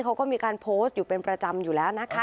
เขาก็มีการโพสต์อยู่เป็นประจำอยู่แล้วนะคะ